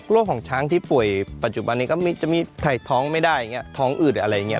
ของช้างที่ป่วยปัจจุบันนี้ก็จะมีถ่ายท้องไม่ได้อย่างนี้ท้องอืดอะไรอย่างนี้